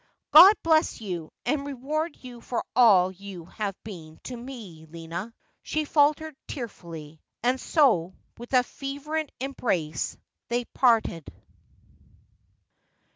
' God bless you, and reward j'ou for all you have been to me, Lina!' she faltered tearfully; and so, with a fervent embrace, they parted.